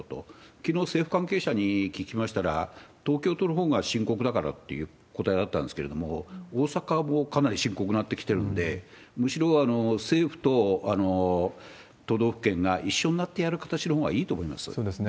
きのう、政府関係者に聞きましたら、東京都のほうが深刻だからって答えだったんですけれども、大阪もかなり深刻になってきてるんで、むしろ政府と都道府県が一緒になってやる形のほうがいいと思いまそうですね。